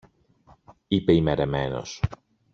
είπε ημερεμένος.